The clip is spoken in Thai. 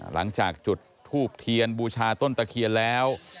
หลังจากจุดทูบเทียนบูชาต้นตะเคียนแล้ว